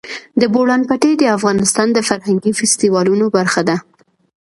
د بولان پټي د افغانستان د فرهنګي فستیوالونو برخه ده.